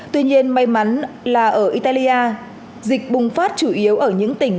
tuy nhiên may mắn là ở italia dịch bùng phát chủ yếu ở những tỉnh